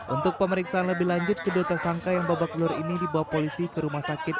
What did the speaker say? untuk pemeriksaan lebih lanjut kedua tersangka yang babak belur ini dibawa polisi ke rumah sakit